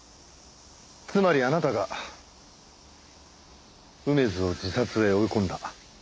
つまりあなたが梅津を自殺へ追い込んだ。